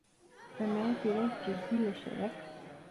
Ömer biraz ciddileşerek: